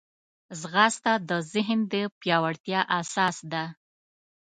ځغاسته د ذهن د پیاوړتیا اساس ده